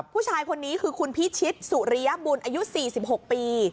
ผู้ชายคนนี้คือคุณพิชิตสุริยบุญอายุ๔๖ปี